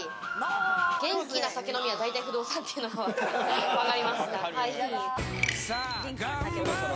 元気な酒飲みは、大体不動産というのはあります。